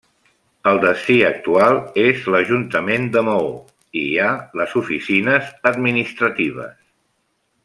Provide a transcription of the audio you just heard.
El destí actual és l'Ajuntament de Maó i hi ha les oficines administratives.